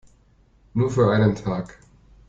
Nur für einen Tag.